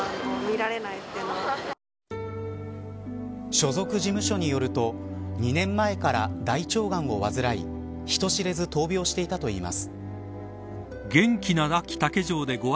所属事務所によると２年前から大腸がんを患い人知れず闘病していたといいます。